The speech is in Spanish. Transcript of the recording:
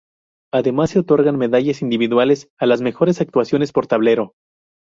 Además se otorgan medallas individuales a las mejores actuaciones por tablero.